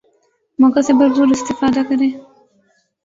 موقع سے بھرپور استفادہ کریں